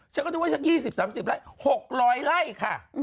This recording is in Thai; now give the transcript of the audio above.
ฉันก็นึกว่าสักยี่สิบสามสิบหลายหกรอยไล่ค่ะ